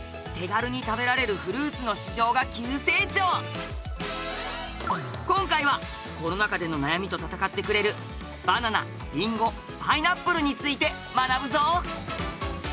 そんな今今回はコロナ禍での悩みと戦ってくれるバナナりんごパイナップルについて学ぶぞ！